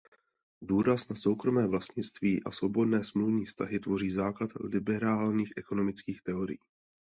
Důraz na soukromé vlastnictví a svobodné smluvní vztahy tvoří základ liberálních ekonomických teorií.